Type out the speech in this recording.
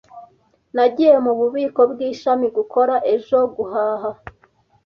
Nagiye mububiko bwishami gukora ejo guhaha.